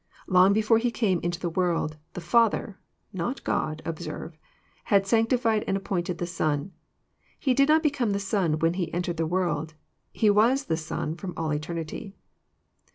Long before He came into the world, *' the Father" (not God, observe) had sanctified and appointed the Son/ He did not become the Son when He en tered the world : He was the Son ttom all eternity.